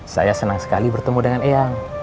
saya senang sekali bertemu dengan eyang